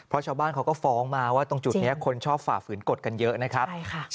เพราะชาวบ้านเขาก็ฟ้องมาว่าตรงจุดนี้คนชอบฝ่าฝืนกฎกันเยอะนะครับ